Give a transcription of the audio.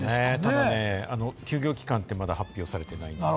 ただね、休業期間はまだ発表されていないです。